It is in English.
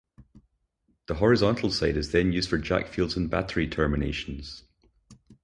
The horizontal side is then used for jackfields and battery terminations.